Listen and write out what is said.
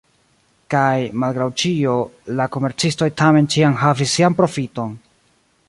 Kaj, malgraŭ ĉio, la komercistoj tamen ĉiam havis sian profiton!